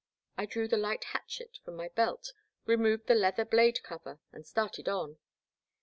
I drew the light hatchet from my belt, removed the leather blade cover, and started on.